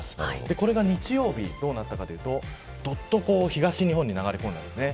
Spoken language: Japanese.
これが日曜日どうなったかというとどっと東日本に流れ込んだんですね。